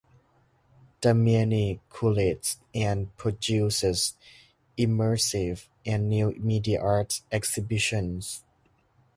Damiani curates and produces immersive and new media art exhibitions.